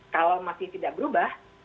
kalau masih tidak berubah